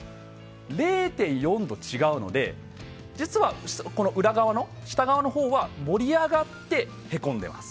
０．４度違うので実は、下側のほうは盛り上がってへこんでいます。